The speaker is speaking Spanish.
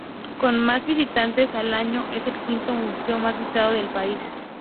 Con más de visitantes al año es el quinto museo más visitado del país.